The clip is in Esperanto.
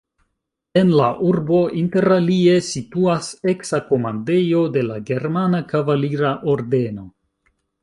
En la urbo interalie situas eksa komandejo de la Germana Kavalira Ordeno.